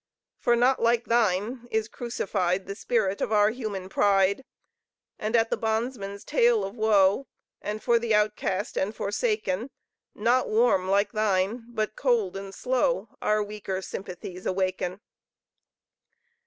For not like thine, is crucified The spirit of our human pride: And at the bondman's tale of woe, And for the outcast and forsaken, Not warm like thine, but cold and slow, Our weaker sympathies awaken!